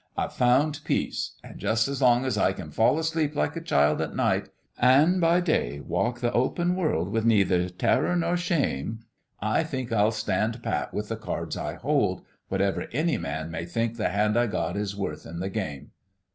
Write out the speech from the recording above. I've found peace ; an' jus' as long as I can fall asleep like a child at night an' by day walk the open world with neither terror nor shame I think I'll stand pat with the cards I hold, whatever any man may think the hand I got is worth in the game.